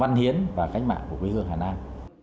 văn hiến và cách mạng của quê hương hà nam